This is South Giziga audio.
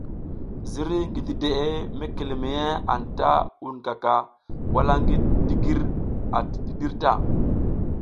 Ziriy ngi dideʼe mekeleleya anta wunkaka wala ngi digir ati dǝdǝr ta.